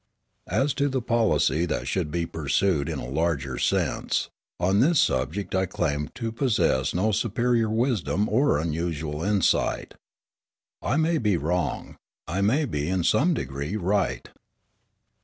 As to the policy that should be pursued in a larger sense, on this subject I claim to possess no superior wisdom or unusual insight. I may be wrong; I may be in some degree right.